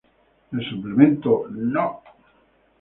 El Suplemento "No!